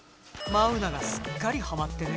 マウナがすっかりはまってね。